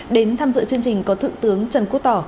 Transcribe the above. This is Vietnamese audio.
đến tham dự chương trình có thượng tướng trần quốc tỏ